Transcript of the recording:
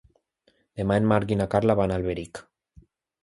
Demà en Marc i na Carla van a Alberic.